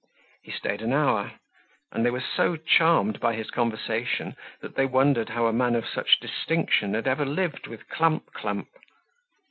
He stayed an hour and they were so charmed by his conversation that they wondered how a man of such distinction had ever lived with Clump clump.